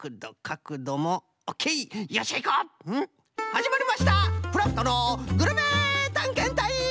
はじまりました「クラフトのグルメたんけんたい！」。